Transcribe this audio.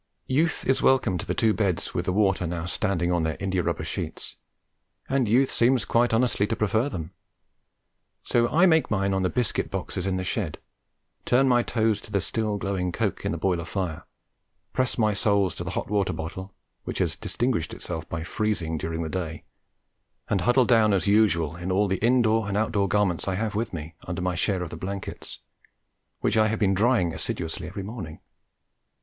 Youth is welcome to the two beds with the water now standing on their indiarubber sheets, and youth seems quite honestly to prefer them; so I make mine on the biscuit boxes in the shed, turn my toes to the still glowing coke in the boiler fire, press my soles to the hot water bottle which has distinguished itself by freezing during the day, and huddle down as usual in all the indoor and outdoor garments I have with me, under my share of the blankets, which I have been drying assiduously every evening.